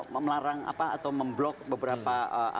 melarang atau memblok beberapa